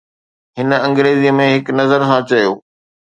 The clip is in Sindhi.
هن انگريزيءَ ۾ هڪ نظر سان چيو.